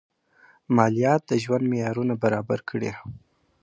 مالیات د ژوند معیارونه برابر کړي.